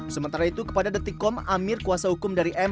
sementara itu kepada detikom amir kuasa hukum dari m